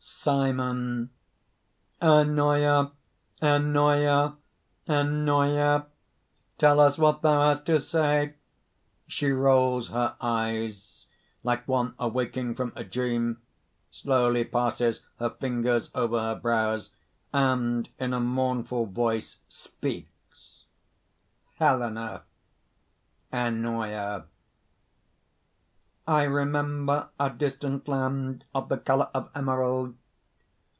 SIMON. "Ennoia; Ennoia! Ennoia! tell us what thou hast to say!" (_She rolls her eyes like one awaking from a dream, slowly passes her fingers over her brows, and in a mournful voice, speaks_: ) Helena (Ennoia). [Illustration: Helena Ennoia] "I remember a distant land, of the color of emerald.